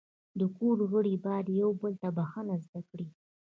د کور غړي باید یو بل ته بخښنه زده کړي.